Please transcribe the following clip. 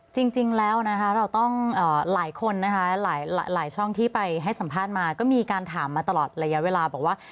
จริงแล้วนะคะเราต้องหลายคนนะคะหลายช่องที่ไปให้สัมภาษณ์มาก็มีการถามมาตลอดระยะเวลาบอกว่า